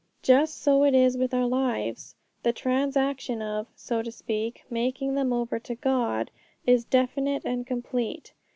Just so is it with our lives. The transaction of, so to speak, making them over to God is definite and complete.